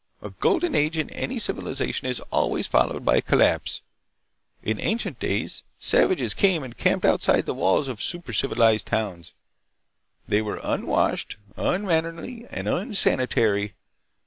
A Golden Age in any civilization is always followed by collapse. In ancient days savages came and camped outside the walls of super civilized towns. They were unwashed, unmannerly, and unsanitary.